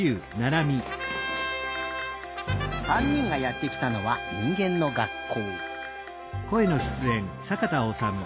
３にんがやってきたのはにんげんの学校。